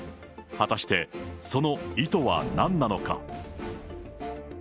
果たして、その意図はなんなのか。